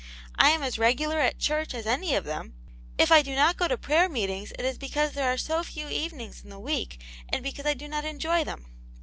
I am as regular at church as any of them ; if I do not go to prayer meetings it is because there are so few evenings in the week and because I do not enjoy them.